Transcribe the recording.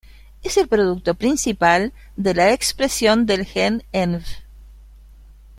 Es el producto principal de la expresión del gen env.